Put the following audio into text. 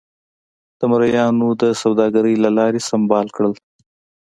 د مریانو د سوداګرۍ له لارې سمبال کړل.